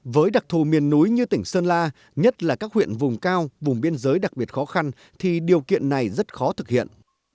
với đặc thù miền núi như tỉnh sơn la nhất là các huyện vùng cao vùng biên giới đặc biệt khó khăn thì điều kiện này rất khó thực hiện